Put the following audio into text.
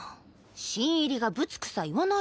新入りがぶつくさ言わ